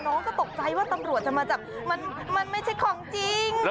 น้องก็ตกใจว่าตำรวจจะมาจับมันไม่ใช่ของจริง